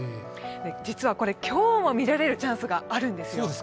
実はこれ今日も見られるチャンスがあるんですよ。